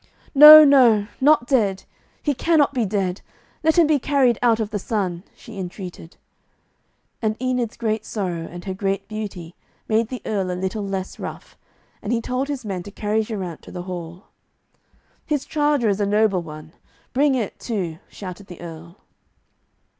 'No, no, not dead; he cannot be dead. Let him be carried out of the sun,' she entreated. And Enid's great sorrow, and her great beauty, made the Earl a little less rough, and he told his men to carry Geraint to the hall. 'His charger is a noble one, bring it too,' shouted the Earl.